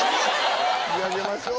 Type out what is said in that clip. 見上げましょう。